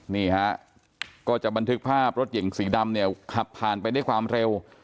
นี่ฮะก็จะบันทึกภาพรถเก่งสีดำเนี่ยขับผ่านไปด้วยความเร็ว